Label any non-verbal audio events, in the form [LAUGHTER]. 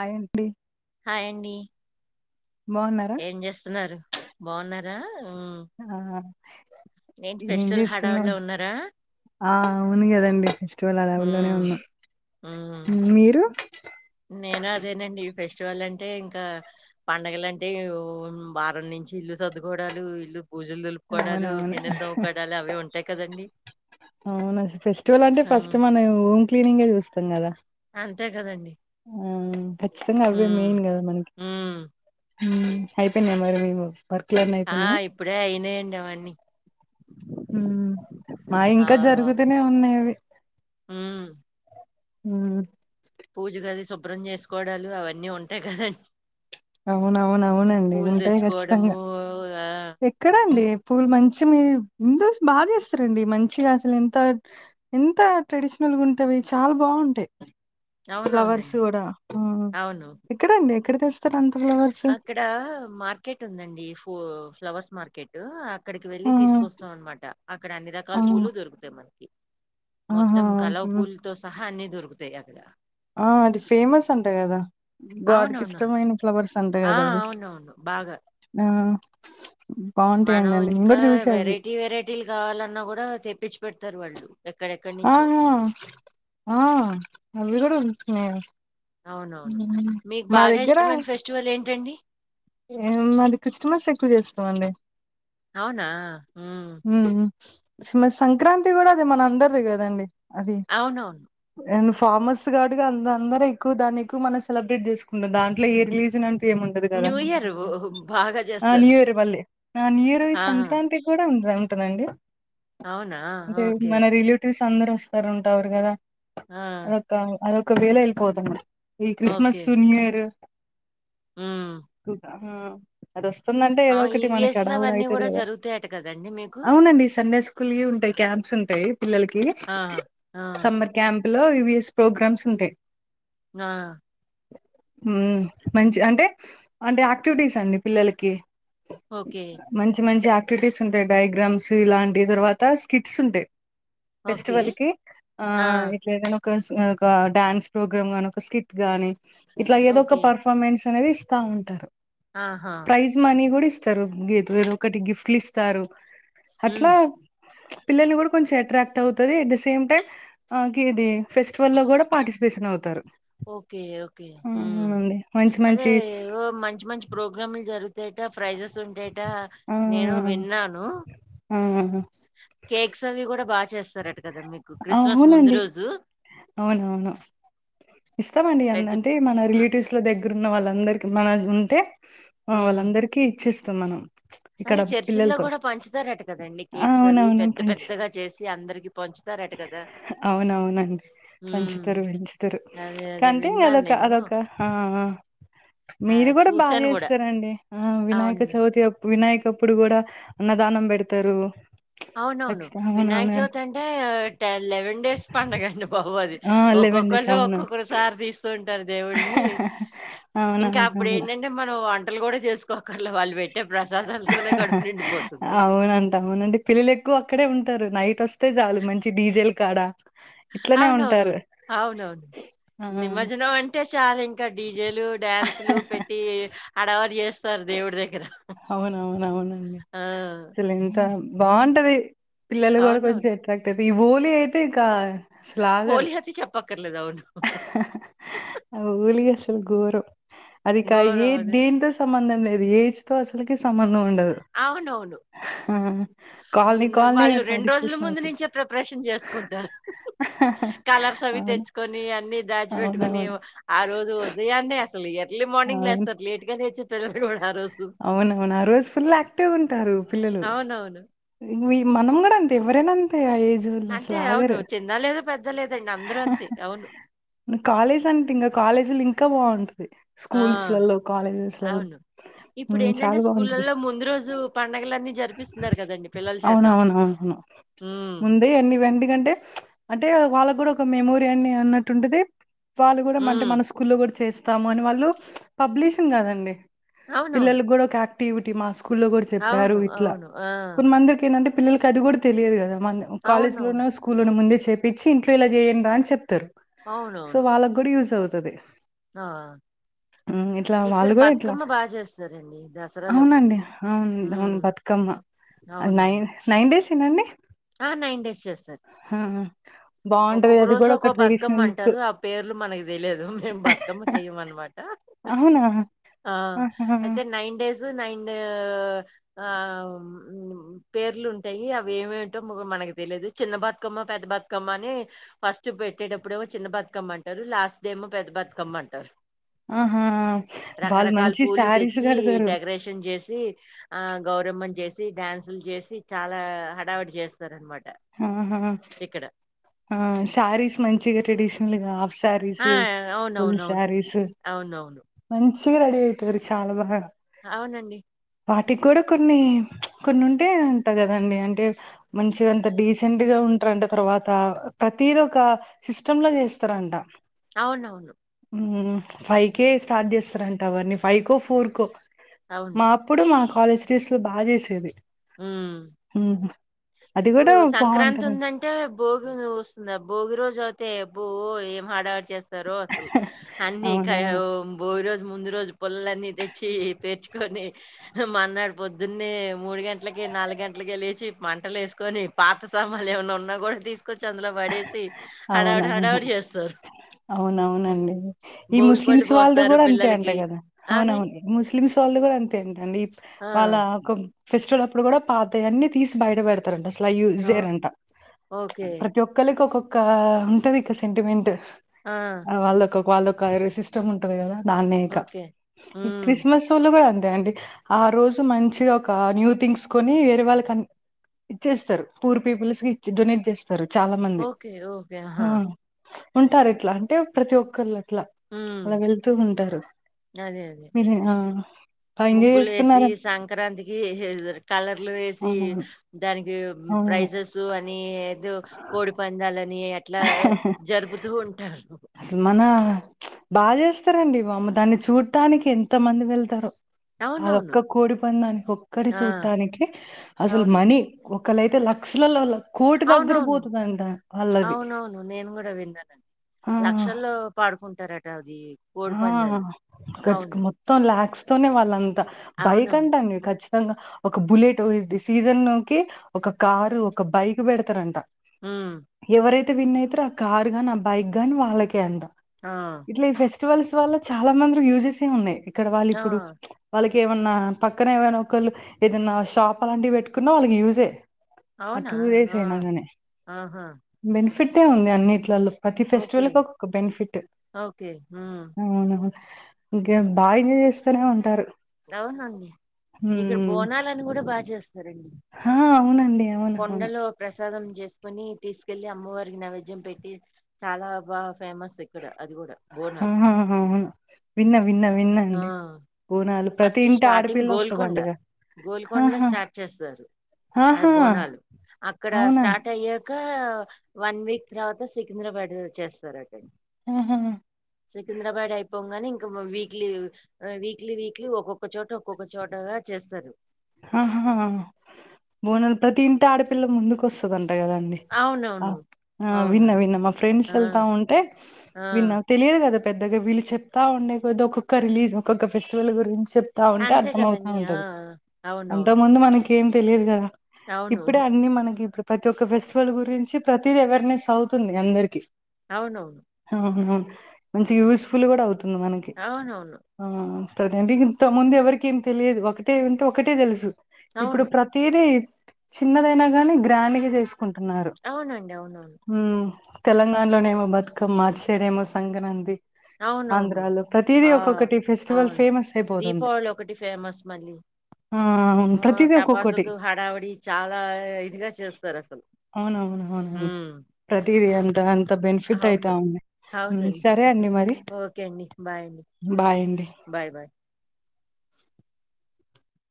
ఆయ్ అండి హాయ్ అండి. బాగున్నారా? ఏం చేస్తున్నారు? బావున్నారా? హ్మ్. ఆ ఏంటి ఏం ఫెస్టివల్ హడావిడి చేస్తున్నావు? లో ఉన్నారా? ఆ అవును కదండి. ఫెస్టివల్ హాడావిడిలోనే హ్మ్. ఉన్నాం. హ్మ్. మీరు? నేను అదేనండి ఈ ఫెస్టివల్ అంటే ఇంకా పండగలంటే వారం నుం చి ఇల్లు సర్దుకోవడాలు, ఇల్లు బూజులు దులుపుకోవడాలు, అవునవును గిన్నెలు తోముకోవడాలు అవే ఉంటాయి కదండి. అవును అస ఫెస్టివల్ అంటే ఫస్ట్ మనం హోమ్ క్లీనింగే చూస్తాం కదా. అంతే కదండి. ఆ ఖచ్చితంగా అవే మెయిన్ కదా మనకి. హ్మ్. మ్ అయిపోయినయా మరి మీ వర్క్ ఆ ఇప్పుడే అయినయండి అవన్నీ. హు మావి ఆ! ఇంకా జరుగుతూనే ఉన్నాయి అవి హుమ్ పూజగది శుభ్రం చేసుకోవడాలు అవన్నీ ఉంటాయి కదండి అవునవున అవునండి ఉంటాయి దెచ్చుకోవడము ఖచ్చితంగా ఆ! ఎక్కడండి పూలు మంచి మీ హింద్సు బాగా చేస్తారండి మంచిగా అసలు ఎంత ఎంత ట్రెడిషనల్ గుంటావి చాలా బాగుంటాయి. అవునవునండి. ఫ్లవర్స్ కూడా ఆ అవును. ఎక్కడండి ఎక్కడ తెస్తారు అంతా అక్కడ మార్కెట్ ఉందండి ఫూ ఫ్లవర్స్ మార్కెట్ అక్కడికి వెళ్ళి ఆ! తీసుకొస్తాం అన్నమాట అక్కడ అన్ని ఆ! రకాల పూలు దొరుకుతాయి మనకి ఆహా! మొత్తం కలవ హ్మ్. పూలుతో సహా అన్ని దొరుకుతాయి అక్కడ ఆ అది ఫేమస్ అంటా కదా గాడ్ అవునవునవును. కిష్టమైన ఫ్లవర్స్ అంట ఆ గదా! అవి. అవును బాగా ఆ మనం బావుంటాయండి. నేను ఇంకా గూడా చూసా అవి. వెరైటీ, వెరైటీలు కావాలన్నా కూడా తెప్పించి పెడతారు వాళ్ళు ఎక్కడెక్కడి నుంచో. ఆహా ఆ అవి కూడ ఉంటున్నాయి అవునవును మీకు బాగా ఇష్టమైన ఫెస్టివల్ ఏంటండి? మేము మరి క్రిస్మస్ ఎక్కువ చేస్తామండి అవునా? హ్మ్. ఉమ్ మ సంక్రాంతి కూడా అది మన అందరిది కదండి అవును అండ్ ఫార్మస్ ది గావట్టిగా అ అందరూ ఎక్కువ దాన్ని ఎక్కువ మనం సెలబ్రేట్ చేసుకుంటం దాంట్లో ఏ రిలీజన్ అం టూ ఏం ఉండదు కదా న్యూ ఇయర్ బాగా ఆ చేస్తారు. న్యూ ఇయర్ మళ్ళీ ఆ న్యూ ఇయర్ ఆ! సంక్రాంతి కూడా మ్ సరే ఉంతనండి. అవునా ఓకే. అందరూ వస్తారు ఉంటారు కదా? ఆ అదొక వేలో వెళ్ళిపోతము, ఈ ఓకే. క్రిస్మసు న్యూ ఇయర్ హ్మ్. చూతా హా అది వస్తుందంటే ఆ! ఏదో ఒకటి మనకి ఈవీఎస్‌లో హడావిడి అవన్నీ అయితది గూడా కదా! జరుగుతాయట కదండీ మీకు? అవునండి ఈ సండేస్ స్కూల్ ఉంటాయ్ క్యాంప్స్ ఉంటాయ్ పిల్లలకి ఆ! ఆ! సమ్మర్ క్యాంప్ లో వివిఎస్ ప్రోగ్రామ్స్ ఉంటాయ్. ఆ హ్మ్ మంచి అంటే అంటే యాక్టివిటీస్ అండి పిల్లలకి ఓకే. మంచి మంచి యాక్టివిటీస్ ఉంటాయ్ డయాగ్రామ్స్ ఇలాంటి తర్వాత స్కిట్స్ ఉంటాయ్. ఓకే. ఫెస్టివల్ కి ఆ ఇట్ల ఎదైన ఒకస్ ఒక డ్యాన్స్ ప్రోగ్రామ్ గానీ ఒక స్కిట్ గాని ఇట్లా ఏదో ఒక ఓకే. పర్ఫార్మెన్స్ అనేది ఇస్తా ఉంటారు, ఆహా! ప్రైజ్ మనీ కూడా ఇస్ ఇస్తారు గిపురు ఒకటి గిఫ్ట్లు ఇస్తారు హ్మ్. అట్లా పిల్లల్ని కూడా కొంచెం అట్రాక్ట్ అవుతది అట్ ద సేమ్ టైమ్ కి ఇది ఫెస్ లో కూడా పార్టిసిపేషన్ అవుతారు. ఓకే ఓకే ఉమ్ అవునండి మంచి అదే మంచి ఓం మంచి మంచి ప్రోగ్రామ్లు జరుగుతాయట ప్రైజెస్ ఉంటాయ్ టా ఆ నేను విన్నాను ఆ కేక్స్ అవి కూడా బాగా చేస్తారట కదా మీకు క్రిస్మస్ ముందు అవునండి రోజు అవునవును. ఇస్తామండి, పెద్ద ఎందంటే మన ఆ! రిలేటివ్స్ లో దగ్గర ఉన్న వాళ్ళందరికి మన ఉంటే ఆ హ్మ్. వాళ్ళందరికీ ఇచ్చేస్తాం మనం ఇక్కడ అదే చర్చిల్లో పిల్లలతో కూడా పంచుతారట కదండి ఆ, కేక్స్ అవి అవునవును పెద్ద పంచి పెద్దగా చేసి అందరికి పం అవునవునండి హ్మ్. పంచుతరు పంచుతరు అదే అదే కంటే విన్నాను అదొక నేను. అదొక ఆ ఆ ఆ! మీరు కూడా బాగా చూసాను గూడా. చేస్తారండి. ఆ వినాయక అవును. చవితి అప్పు వినాయకప్పుడు కూడా అన్నదానం పెడతారు. అవునవును ఖచ్చితంగా వినాయక అవునవునా చవితి అంటే టె లెవెన్ డేస్ పండగండి బాబు అది ఆ లెవెన్ ఒక్కొక్క డేస్ అవును ఒక్కొక్కరు సారి తీస్తుంటారు, దేవుడ్ని ఇంకా అప్పుడు అవునవునవును ఏంటంటే మనం వంట టలు కూడా చేసుకోకర్ల వాళ్ళు పెట్టే ప్రసాదాలతోనే కడుపు నిండిపోతుంది. అవునంట అవునండి పిల్లలు ఎక్కువ అక్కడే ఉంటారు నైట్ వస్తే చాలు మంచి డీజెలు కాడ ఇట్లనే అవునవును ఉంటారు అవునవును ఆ నిమర్జనం అంటే చాలా ఇంకా డీజేలు డ్యాన్సు లు పెట్టి హడావిడి చేస్తారు దేవుడి దగ్గర అవునవునవునండి ఆ! అసలు ఎంత బాగుంటది పిల్లలు కూడా కొంచెం అవునవును. అట్రాక్ట్ అవుతయి, ఈ హోలీ అయితే ఇకా అసలు ఆగరు హోలీ అయితే చెప్పక్కర్లేదు. అవును. హోలి వస్ ఘోరం అది కా ఏ ఘోరం అది. దేని తో సంబంధం లేదు ఏజ్ తో అసలకి సంబంధం ఉంట ఉండదు అవునవును. హా ముందు వాళ్ళు రెండు రోజుల ముందు అవుతుంది నుంచే ప్రిపరేషన్ చేసుకుంటారు. కలర్స్ అవి అవును తెచ్చుకొని అన్నీ దాచిపెట్టుకుని అవునవును ఆ రోజు ఉదయాన్నే అసలు ఎర్లీ మార్నింగ్ లేస్తారు అవును లేట్ గా లేచే పిల్లలు గూడా ఆ రోజు. అవునవును ఆ రోజు ఫుల్ యాక్టివ్ గా ఉంటారు పిల్లలు అవునవును. మనం కూడా అంతే ఎవరైనా అంతే ఏజ్ వోళ్ళు అంతే అసలు అవును ఆగరు. చిన్న లేదు పెద్ద లేదండి అందరూ అంతే అవును కాలేజ్ అంటే ఇంకా కాలేజీలు ఇంకా బాగుంటది ఆ! స్కూల్స్ లలో కాలేజెస్ అవును ఇప్పుడు ఏంటంటే స్కూళ్ళలో ముందు రోజు పండుగలన్నీ జరిపిస్తున్నారు కదండి పిల్లల చేత అవునవునవును హ్మ్. ముందే ఎన్ని ఎందుకంటే అంటే వాళ్ళకు కూడా ఒక మెమోరీ అని అన్నట్టు ఉంటది వాళ్ళు కూడా అంటే హ్మ్. మన స్కూ లో కూడా చేస్త తాము అని వాళ్లు పబ్లిషన్ అవునవును. పిల్లలు కూడా ఒక ఆక్టివిటీ మన స్కూ కు ల్లో కూడా చెప్పారు అవును. ఇట్లా అవును. ఆ! కొన్నిమందిరికి ఏంటంటే పిల్లలకి అది కూడా తెలియదు కదా మ కాలేజ్ అవునవును. లోన స్కూల్ లోన ముందే చేపించి ఇంట్లో ఇలా చేయాండ్రా అని చెప్తారు సో అవునవును. వాళ్ళక్ కూడా యూజ అవుతది ఆ హ్మ్. ఇట్లా ఇక్కడ వాళ్ళు కూడా ఇట్లా బతుకమ్మ బాగా చేస్తారండి దసరాల అప్పుడు మ్మ్ మ్మా నైన్ నైన్ డేస్ ఏనండి ఆ నైన్ డేస్ చేస్తారు బావుంటది. ఒక్కొక్క అది రోజు గూడా ఒక ఒక్కొ బతుకమ్ ట్రెడిషనల్ లుక్. అంటారు ఆ పేర్లు మనకి తెలియదు మేం బతుకమ్ చెయ అన్నమాట అవునా ఆ ఆహా! అయితే నైన్ డేస్ నైన్ ఆ పేర్లు ఉంటాయి అవి ఏవ్ మనకు తెలియదు చిన్న బతుకమ్మ పెద్ద బతుకమ్మ అని ఫస్ట్ పెట్టేటప్పుడు ఏమో చిన్న బతుకమ్మ అంటారు లాస్ట్ డేమో పెద్ద బతుకమ్మ అంటారు ఆహా! వాళ్ళు రకరకాల మంచి పూలు శారీస్ తెచ్చి గడతారు. డెకరేషన్ చేసి ఆ గ గౌరమ్మ ని చేసి డ్యాన్సులు చేసి చాలా హడావడి చేస్తారు అనమాట ఆహా శారీస్ మంచిగా ట్రెడిషనల్గా ఆ సారీస్ ఫుల్ అవునవునవును సారీస్ అవునవును మన్ చ్చకగ రెడీ అయితారు చాలా బాగా అవునండి వాటికి కూడా కొన్ని కొన్ని ఉంటే ఉంటాయ్ కదండి అంటే మంచిగా డీసెంట్ గా ఉంటారంట తర్వాత ప్రతీది ఒక సిస్టమ్ లో చేస్తారంట అవునవును ఫైవ్ కేే స్టార్ట్ చేస్తారంట అవని ఫైవ్ కో ఫోర్ కో అవును మా అప్పుడు మాకు కాలేజ్ డేస్ లో బా చేసేది మ్మ్ మ్ ఇప్పుడు సంక్రాంతి ఉందంటే భోగి వస్తుంది భోగి రోజు ఐతే అభో ఎం హడావిడి చేస్తార రో అసలు అన్నిీ అవునవును భోగి రోజు ముందు రోజు పుల్లలు తెచ్చి పేర్చు కొని మన్నాడు పొద్దున్న మూడు గంటలకి నాలుగు గంటలక లేచి మంటలు వేసుకొని పాత సామాలు ఏమైన్నా ఉన్నా కూడా తీసుకు కొచి అందులో పడేసి హడావిడి అవునవును హడావిడి చేస్తారు అవునవునండి ఈ భోగిపళ్ళు ముస్లిమ్స్ వాళ్డు పోస్తారు కూడా అంతే అంట పిల్లలకి కదా అవునండి అవునవును ముస్లిమ్స్ వాళ్ళ వాళు కూడా అంతే అంటండీ ఆ వాళ్ళ ఒక ఫెస్టివల్ అప్పుడు కూడా పాతయ్ అని తీసి బయట పెడతారంట అసలు యూజ్ ఆ చేయారంట ఓకే ఒకక్కళకి ఒక్కొక్క ఉంటది ఇక సెంటిమెంట్ ఆ వాళ్ళ ఒక్కొ వాళ్ళఒక కాయ్ రెసిస్టమ్ ఉంటంది కదా నాన్నే ఇంక ఓకే ఈ ఉమ్ క్రిస్మస్ ఓళ్ళదే అం డేండి ఆ రోజు మంచిగా ఒక న్యూ థింగ్స్ కొని వేరే వాళ్ళకన్ ఇచ్చేస్తారు పూర్ పీపుల్స్ కి ఇ డొనేట్ చేస్ తరు చాలా మంది ఓకే ఓకే హ ఆహా ఇంక రెట్ల అంటే ప్రతి ఒక్కళ అట్లా ఉమ్ అలా వెళ్తూ ఉంటారు విధి ఆ బా ఎంజాయ్ ముగ్గులు వేసి చేస్తున్నారా సంక్రాంతికి కలర్లు వేసి అవునవును దానికి ఉ అవును ప్రైజెసు అని ఏదో కోడి పందాలని అట్లా జరుపుతూ ఉంటారు. అసలు మన ప్చ్ బా చేస్తారండి వామ్మ దాన్ని చూడటానికి ఎంత మంది వెళ్తరో అవునవును. అదొక్క కోడి పందానికి ఒక్కటి ఆ! చూడటానికి అసలు అవును. మనీ ఒ ఒక్కలైతే లక్షలల కోటి దగ్గర అవునవును. పోతుందంట వాళ్ళది అవునవును నేను కూడా విన్నానండి ఆ లక్షల్లో పాడుకుంటారట అది కోడి ఆ పందాలు. గచ్ కు అవును. మొత్తం లాక్స్ తోనే వాళ్ళంతా బైక్ అవునవును. అంటా నీవు ఖచ్ గా ఒక బుల్లెటు ఈ ది సీజన్ లోకి ఒక కారు ఒక బైక్ పెడతారంట హ్మ్. ఎవరైతే విన్న అయితరో ఆ కార్ గాని ఆ బైక్ గాని వాళ్ళకే అంట ఆ చివల్స్ వళ్ళ చాలా మంది యూజెసే ఉన్నాయి ఇక్కడ వాళ్ళు ఆ! ఇప్పుడు ప్చ్ వాళ్ళకి ఏమన్నా పక్కన ఏమైనా ఒకళ్ళు ఏదన్నా షాప్ అలాంటివి పెట్టుకున్నా వాళ్ళకి యూస్ ఏ ఆ అవునా? టూ డేస్ ఆ! అయినాగానే ఆహా! బెనిఫిట్ ఏ ఉంది అన్నిట్లలో ప్రతి ఫెస్టివల్ ఒక బెనిఫిటు హా ఇంకా ఏం బాగా ఎంజాయ్ చేస్తనే ఉంటారు అవునండి ఇక్కడ బోనాలని కూడా బాగా చేస్ హా అవునండి అవును అవును కొండలో ప్రసాదం చేసుకుని తీసుకెళ్ళి అమ్మవారికి నైవేద్యం పెట్టి చాలా బా హా అవును విన్న విన్న విన్నా ఆ! అండి బోనాలు ప్రతి ఫస్ట్ ఇంటి స్టార్టింగ్ ఆడపిల్ల గోల్కొండ వస్తదంటగా. గోల్కొండల ఆహా! స్టార్ట్ చేస్తారు అది ఆహా! బోనాలు అక్కడ అవునా? స్టార్ట్ అయ్యాక కా వన్ వీక్ తర్వాత సికింద్రాబాడ్ లో చేేస్తారట ఆహా! సికింద్రాబాద్ అయిపోంగానే ఇంకా వీక్లీ ఆ వీక్లీ వీక్ క్లి ఒక్కొక్క చోట ఒక్కొక్క చోటగా చేస్తారు ఆహా బోనాలు ప్రతి ఇంటి ఆడపిల్ల ముందుకు వస్తదంట కదండి అ అవునవును. ఆ విన్నా అవునండి. విన్నా మా ఫ్రెండ్స్ ఆ! వెళ్తా ఉంటే ఆ! విన్నా తెలియదు కదా పెద్దగా వీళ్ళు చెప్తా ఉండే కొద్ ఒక్కొక్క రిలీజ్ ఒక్కొక్క ఫెస్టివల్ గురించి చెప్తా ఉంటే అంతే అర్థం అవుతా కదండీ. ఆ! ఉంటది ఆ! అంతకు అవునవును. ముందు మనకి ఏం తెలియదు కదా అవును. ఇప్పుడే అన్ని మనకి ఇపుడు ప్రతి ఒక్క ఫెస్టివల్ గురించి ప్రతిదీ అవేర్నెస్ అవుతుంది అందరికి అవునవును అవునవును మంచి యూస్ఫుల్ కూడా అవుతుంది మనకి అవునవును. ఆ ప్రతింటి ఇంత మంది ఎవరికి ఏమి తెలియదు ఒకటే ఉంటే ఒకటే తెలుసు ఇప్పుడు అవును. ప్రతీదీ చిన్నదైనా గాని గ్రాండ్ గా చేసుకుంటున్నారు అవునండి. అవునవును. ఊ తెలంగాణలోనేమో బతుకమ్మ అట్ సైడేమో సంగ్రాంతి అవునవును. ఆంధ్రాలో ఆ! ప్రతిదీ ఒక్కొక్కటి ఫెస్టివల్ అవును. ఫేమస్ అయిపోతుంది దీపావళి ఆ ఒ ప్రతిదీ ఒక్కొక్కటి టపాసులు హడావిడి చాలా ఇదిగా చేస్తారు అసలు అవునవును అవునవు ప్రతిదీ అంత అంత బెనిఫిట్ అయితా అవును. ఉంది అవునండి. సరే అండి మ ఓకే అండి బాయ్ అండి అండి బాయ్ బాయ్ [INAUDIBLE]